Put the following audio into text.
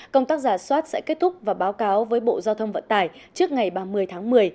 công tác giả soát sẽ kết thúc và báo cáo với bộ giao thông vận tải trước ngày ba mươi tháng một mươi